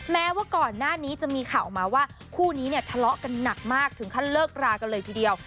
แม้ว่าก่อนหน้านี้จะมีข่าวออกมาว่าคู่นี้เนี่ยทะเลาะกันหนักมากถึงขั้นเลิกรากันเลยทีเดียว